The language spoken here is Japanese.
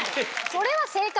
これが正解。